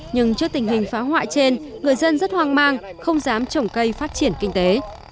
nhưng trước tình hình phá hoại trên người dân rất hoang mang không dám trồng cây phát triển kinh tế